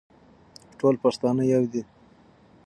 ټول پښتانه يو دي.